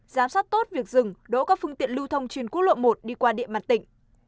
giám sát tốt việc dừng đỗ các phương tiện lưu thông trên quốc lộ một đi qua địa mặt tỉnh